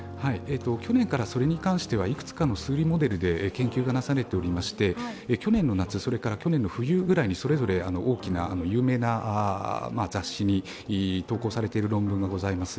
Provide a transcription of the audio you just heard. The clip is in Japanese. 去年からそれに関してはいくつかの数理モデルで研究がなされておりまして、去年の夏、それから去年の冬ぐらいに大きな有名な雑誌に投稿されている論文がございます。